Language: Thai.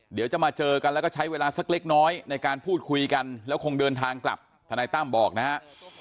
เดี๋ยวจะมาเจอกันแล้วก็ใช้เวลาสักเล็กน้อยในการพูดคุยกันแล้วคงเดินทางกลับทนายตั้มบอกนะฮะ